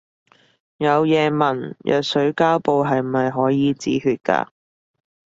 有嘢問，藥水膠布係咪可以止血㗎